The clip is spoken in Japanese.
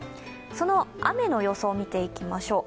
その雨の予想、見ていきましょう。